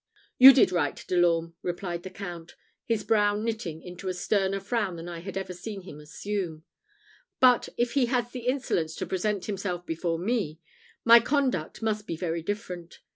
"You did right, De l'Orme," replied the count, his brow knitting into a sterner frown than I had ever seen him assume. "But if he has the insolence to present himself before me, my conduct must be very different.